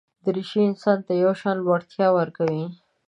دریشي انسان ته یو شان لوړتیا ورکوي.